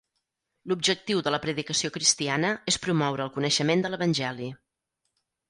L'objectiu de la predicació cristiana és promoure el coneixement de l'Evangeli.